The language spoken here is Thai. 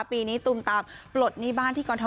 ปีนี้ตุมตามปลดหนี้บ้านที่กรท